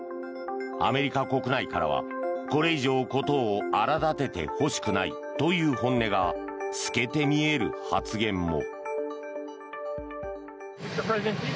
アメリカ国内からはこれ以上事を荒立ててほしくないという本音が透けて見える発言も。